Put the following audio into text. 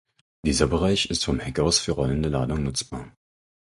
Dieser Bereich ist vom Heck aus für rollende Ladung nutzbar.